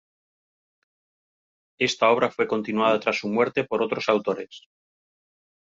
Esta obra fue continuada tras su muerte por otros autores.